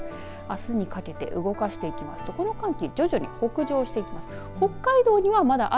あすにかけて動かしていきますとこの寒気、徐々に北上していきます。